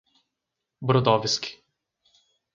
Brodowski